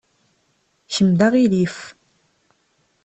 Kemm d aɣilif.